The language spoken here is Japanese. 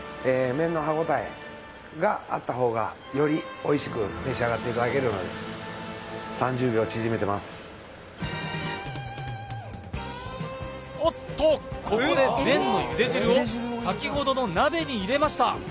麺の歯ごたえがあった方がよりおいしく召し上がっていただけるのでおっとここで麺の茹で汁をさきほどの鍋に入れました